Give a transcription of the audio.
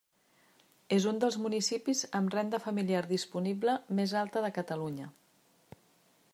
És un dels municipis amb renda familiar disponible més alta de Catalunya.